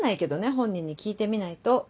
本人に聞いてみないと。